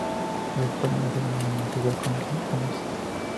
Los españoles abandonan la ciudad con los honores.